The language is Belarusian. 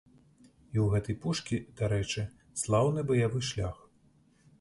І ў гэтай пушкі, дарэчы, слаўны баявы шлях.